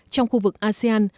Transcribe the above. trong khu vực asean